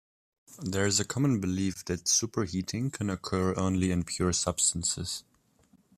There is a common belief that superheating can occur only in pure substances.